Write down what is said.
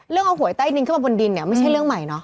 เอาหวยใต้ดินขึ้นมาบนดินเนี่ยไม่ใช่เรื่องใหม่เนาะ